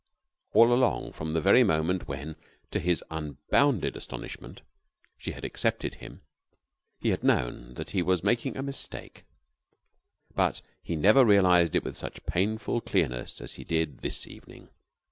All along, from the very moment when to his unbounded astonishment she had accepted him, he had known that he was making a mistake; but he never realized it with such painful clearness as he did this evening.